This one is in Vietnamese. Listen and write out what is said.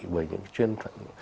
bởi những chuyên phận